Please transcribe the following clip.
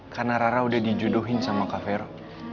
karena rara udah di judohin sama kak fero